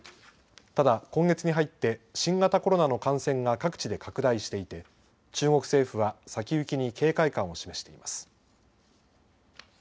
ただ今月に入って新型コロナの感染が各地で拡大していて中国政府は先行きに警戒感を示しています。